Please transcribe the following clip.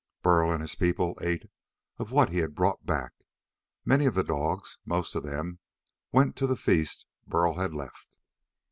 Burl and his people ate of what he had brought back. Many of the dogs most of them went to the feast Burl had left.